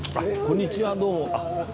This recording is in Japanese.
こんにちはどうも。